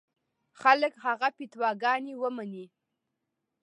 خلک هغه فتواګانې ومني.